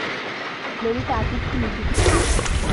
ললিতা আতিথ্যে নিযুক্ত ছিল।